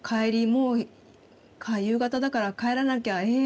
もう夕方だから帰らなきゃえ